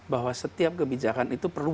bahwa setiap kebijakan itu perlu